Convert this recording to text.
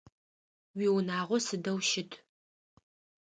Уиунагъо сыдэу щыт?